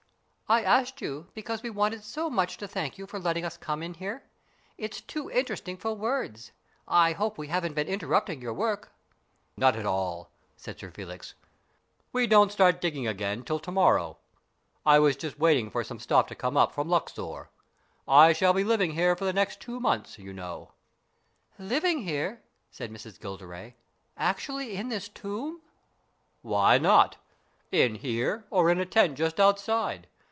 " I asked you because we wanted so much to thank you for letting us come in here. It's too interesting for words. I hope we haven't been interrupting your work ?" "Not at all," said Sir Felix. "We don't start digging again till to morrow. I was just waiting for some stuff to come up from Luxor. I shall be living here for the next two months, you know." " Living here ?" said Miss Gilderay. " Actually in this tomb ?"" Why not ? In here or in a tent just outside.